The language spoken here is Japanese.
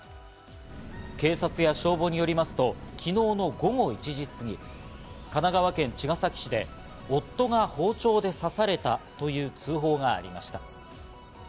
警察や消防によりますと昨日の午後１時すぎ、神奈川県茅ヶ崎市で夫が包丁で刺されたという通報がありました。